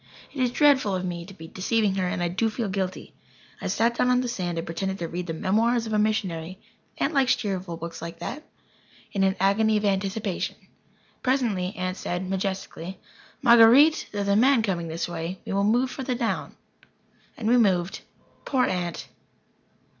It is dreadful of me to be deceiving her and I do feel guilty. I sat down on the sand and pretended to read the "Memoirs of a Missionary" Aunt likes cheerful books like that in an agony of anticipation. Presently Aunt said, majestically: "Marguer_ite_, there is a man coming this way. We will move further down." And we moved. Poor Aunt!